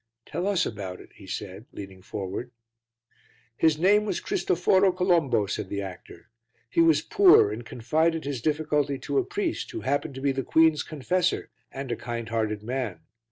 "Tell us about it," he said, leaning forward. "His name was Cristoforo Colombo," said the actor. "He was poor and confided his difficulty to a priest who happened to be the queen's confessor and a kind hearted man.